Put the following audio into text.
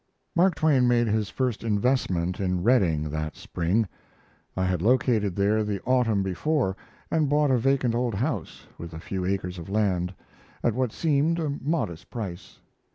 Mark Twain made his first investment in Redding that spring. I had located there the autumn before, and bought a vacant old house, with a few acres of land, at what seemed a modest price.